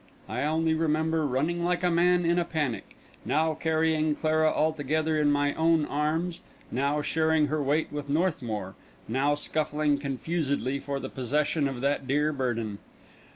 I only remember running like a man in a panic, now carrying Clara altogether in my own arms, now sharing her weight with Northmour, now scuffling confusedly for the possession of that dear burden.